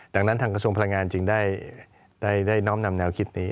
ดังนั้นทางกระทรวงพลังงานจึงได้น้อมนำแนวคิดนี้